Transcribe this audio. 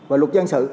và luật dân sự